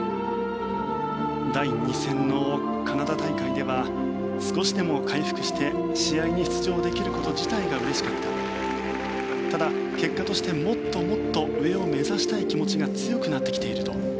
第２戦のカナダ大会では少しでも回復して試合に出場できること自体がうれしかったただ結果としてもっともっと上を目指したい気持ちが強くなってきていると。